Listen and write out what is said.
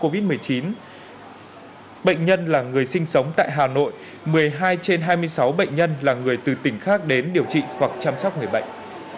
bệnh nhân là người sinh sống tại hà nội một mươi hai trên hai mươi sáu bệnh nhân là người từ tỉnh khác đến điều trị hoặc chăm sóc người bệnh